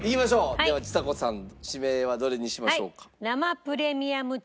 ではちさ子さん指名はどれにしましょうか？